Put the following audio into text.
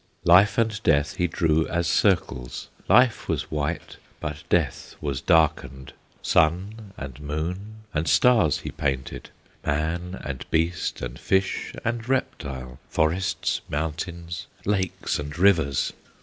Life and Death he drew as circles, Life was white, but Death was darkened; Sun and moon and stars he painted, Man and beast, and fish and reptile, Forests, mountains, lakes, and rivers.